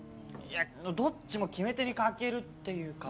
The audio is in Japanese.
どっちも決め手に欠けるっていうか。